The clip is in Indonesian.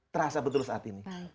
terasa betul saat ini